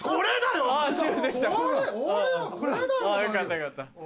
よかったよかった。